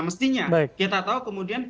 mestinya kita tahu kemudian